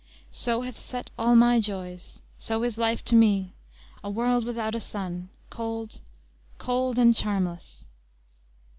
"So hath set all my joys. So is life to me, a world without a sun cold, cold, and charmless!"